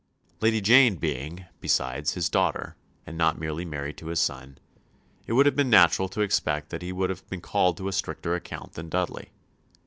Lady Jane being, besides, his daughter, and not merely married to his son, it would have been natural to expect that he would have been called to a stricter account than Dudley.